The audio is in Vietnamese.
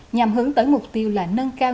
nhằm hướng tới mục tiêu là nâng cao